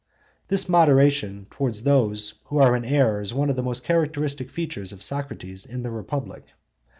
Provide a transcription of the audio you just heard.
This moderation towards those who are in error is one of the most characteristic features of Socrates in the Republic.